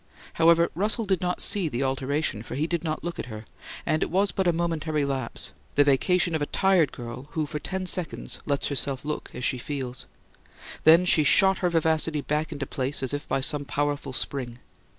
However, Russell did not see the alteration, for he did not look at her; and it was but a momentary lapse the vacation of a tired girl, who for ten seconds lets herself look as she feels. Then she shot her vivacity back into place as by some powerful spring.